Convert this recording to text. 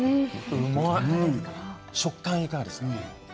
食感いかがですか？